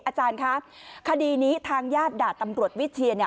อาจารย์คะคดีนี้ทางญาติดาบตำรวจวิเชียน